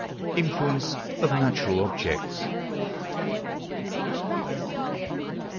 INFLUENCE OF NATURAL OBJECTS.